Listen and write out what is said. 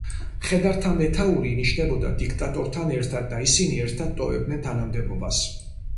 მხედართა მეთაური ინიშნებოდა დიქტატორთან ერთად და ისინი ერთად ტოვებდნენ თანამდებობას.